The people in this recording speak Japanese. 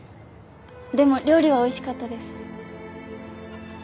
でも料理はおいしかったです。